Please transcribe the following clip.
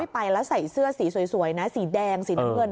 ไปแล้วใส่เสื้อสีสวยนะสีแดงสีน้ำเงิน